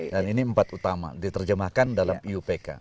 dan ini empat utama diterjemahkan dalam iupk